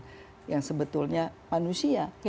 kehidupan yang sebetulnya manusia